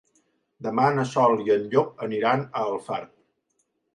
Demà na Sol i en Llop aniran a Alfarb.